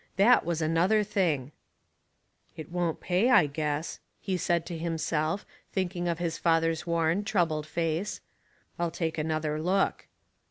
That was another thinir. "It won't pay, I guess," he said to himself, thinking of his father's worn, troubled face. "I'll take another look."